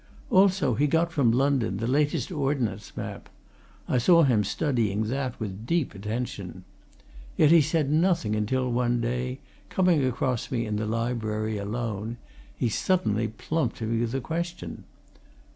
Also, he got from London the latest Ordnance Map. I saw him studying that with deep attention. Yet he said nothing until one day, coming across me in the library, alone, he suddenly plumped me with a question.